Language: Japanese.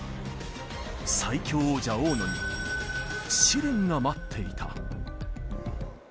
最強王者、大野に試練が待っていた。